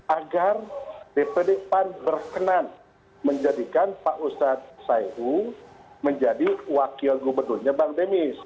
agar dpd pan berkenan menjadikan pak ustaz sayyidud menjadi wakil gubernurnya bank demi